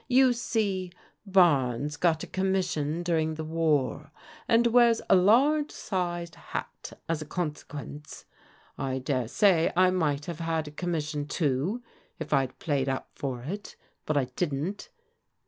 You see, Barnes got a com mission during the war, and wears a large sized hat as a consequence. I dare say I might have Yi? Ld a c.qcdsml% 148 PRODIGAL DAUGHTEBS sion, too, if I'd played up for it, but I didn't.